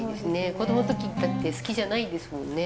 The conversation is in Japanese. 子どもの時って好きじゃないですもんね。